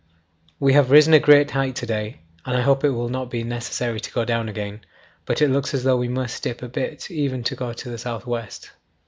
We have risen a great height to day and I hope it will not be necessary to go down again, but it looks as though we must dip a bit even to go to the south west.